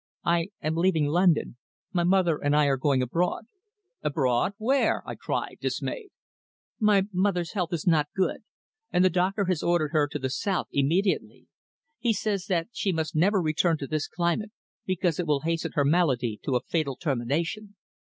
"I am leaving London. My mother and I are going abroad." "Abroad? Where?" I cried, dismayed. "My mother's health is not good, and the doctor has ordered her to the South immediately. He says that she must never return to this climate, because it will hasten her malady to a fatal termination.